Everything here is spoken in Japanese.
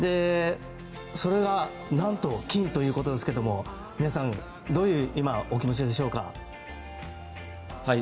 それが何と金ということですけども皆さん、今どういうお気持ちでしょうか？